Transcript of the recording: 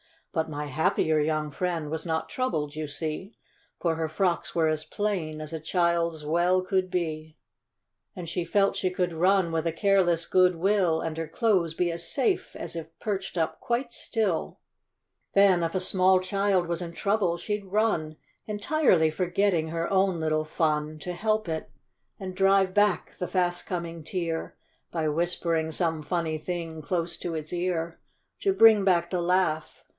But my happier young friend was not troubled, you see, For her frocks were as plain as a child's well could be; And she felt she could run with a careless good will, And her clothes be as safe as if perched up quite still. THE TWO FRIENDS. 67 Then if a small child was in trouble, she'd run, Entirely forgetting her own little fun, To help it, and drive hack the fast coming tear, By whispering some funny thing close to its ear, To bring back the laugh